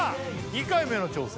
２回目の挑戦